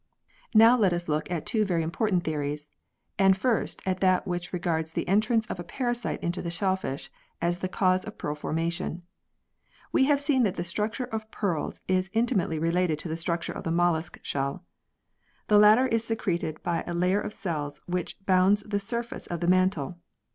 Now let us look at two very important theories, and first at that which regards the entrance of a parasite into the shellfish as the cause of pearl forma tion. We have seen that the structure of pearls is intimately related to the structure of the mollusc shell. The latter is secreted by a layer of cells which bounds the surface of the mantle.